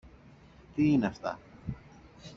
Τί είναι αυτά!